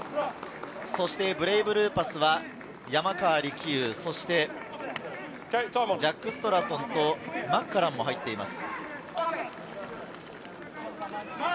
そしてブレイブルーパスは山川力優、ジャック・ストラトンと、マクカランも入っています。